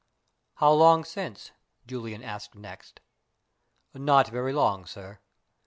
"How long since?" Julian asked next. "Not very long, sir."